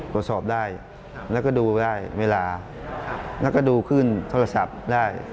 ตรวจสอบได้แล้วก็ดูได้เวลาแล้วก็ดูขึ้นโทรศัพท์ได้